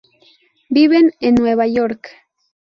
Viven en Nueva York.